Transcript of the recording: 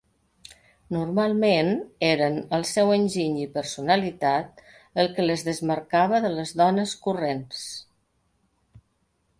Normalment eren el seu enginy i personalitat el que les desmarcava de les dones corrents.